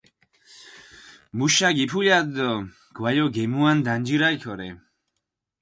მუშა გიფულათ დო გვალო გემუან დანჯირალ ქორე.